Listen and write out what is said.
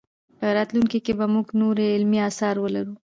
په راتلونکي کې به موږ نور علمي اثار ولرو.